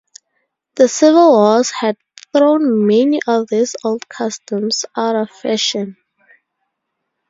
The civil wars had thrown many of these old customs out of fashion.